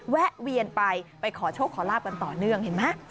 แวะเวียนไปไปขอโชคขอลาบกันต่อเนื่องเห็นไหม